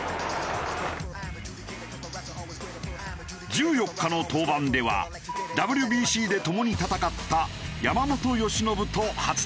１４日の登板ではＷＢＣで共に戦った山本由伸と初対戦。